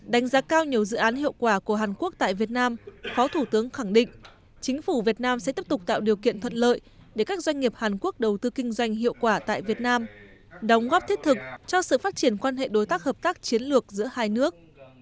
đánh giá cao nhiều dự án hiệu quả của hàn quốc tại việt nam phó thủ tướng khẳng định chính phủ việt nam sẽ tiếp tục tạo điều kiện thuận lợi để các doanh nghiệp hàn quốc đầu tư kinh doanh hiệu quả tại việt nam đóng góp thiết thực cho sự phát triển quan hệ đối tác hợp tác chiến lược giữa hai nước